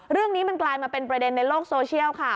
เรื่องนี้มันกลายมาเป็นประเด็นในโลกโซเชียลค่ะ